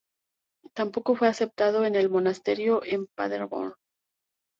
Tampoco fue aceptado en el monasterio en Paderborn.